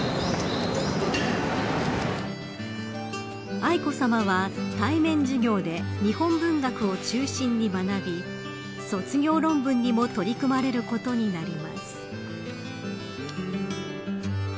愛子さまは、対面授業で日本文学を中心に学び卒業論文にも取り組まれることになります。